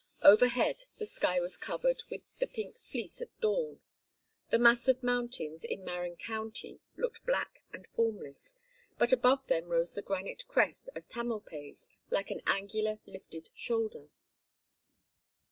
Overhead the sky was covered with the pink fleece of dawn. The mass of mountains in Marin County looked black and formless, but above them rose the granite crest of Tamalpais, like an angular lifted shoulder.